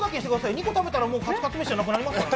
２個食べたらもうカツカツ飯じゃなくなりますからね。